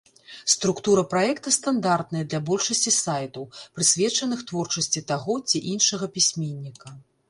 Структура праекта стандартная для большасці сайтаў, прысвечаных творчасці таго ці іншага пісьменніка.